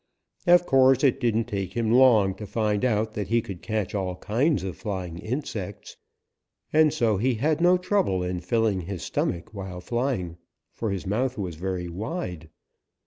"Of course, it didn't take him long to find out that he could catch all kinds of flying insects, and so he had no trouble in filling his stomach while flying, for his mouth was very wide.